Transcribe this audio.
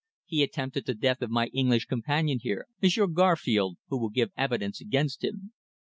He attempted the death of my English companion here, Monsieur Garfield who will give evidence against him."